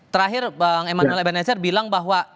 terakhir bang emanuel ebenezer bilang bahwa